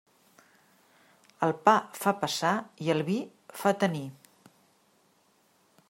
El pa fa passar i el vi fa tenir.